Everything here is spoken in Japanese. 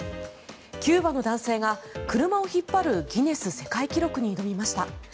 キューバの男性が車を引っ張るギネス世界記録に挑みました。